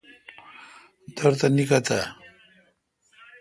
دورتھ نیکھوتہ